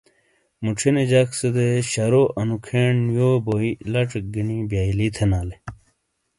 موچھینے جک سے شرو انو کھین یو بوئی لـچیک گینی بیئلی تھینالے۔